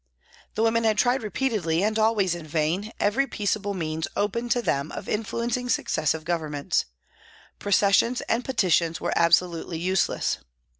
The women had tried repeatedly, and always in vain, every peaceable means open to them of influencing successive Governments. Pro cessions and petitions were absolutely useless.